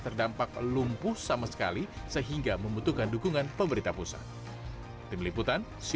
terdampak lumpuh sama sekali sehingga membutuhkan dukungan pemerintah pusat